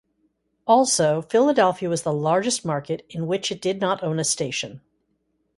Also, Philadelphia was the largest market in which it did not own a station.